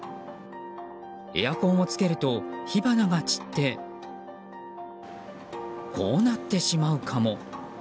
エアコンをつけると火花が散ってこうなってしまうかも。